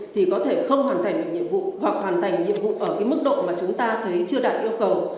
thì có thể không hoàn thành được nhiệm vụ hoặc hoàn thành nhiệm vụ ở cái mức độ mà chúng ta thấy chưa đạt yêu cầu